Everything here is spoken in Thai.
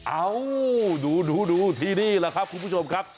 เอ้าดูที่นี่แหละครับคุณผู้ชมครับ